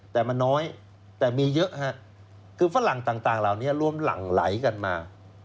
แต่มันน้อยแต่มีเยอะฮะคือฝรั่งต่างเหล่านี้รวมหลั่งไหลกันมา